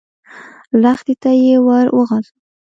لښتي ته يې ور وغځاوه.